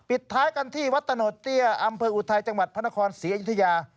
ท้ายกันที่วัดตะโนดเตี้ยอำเภออุทัยจังหวัดพระนครศรีอยุธยา